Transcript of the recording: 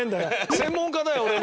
専門家だよ俺も。